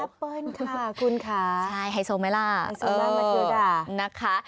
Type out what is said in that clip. แอปเปิ้ลค่ะคุณค้าไฮโซเมล่าไฮโซเมล่ามาทือด่านะคะ